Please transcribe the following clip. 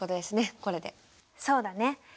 そうだね。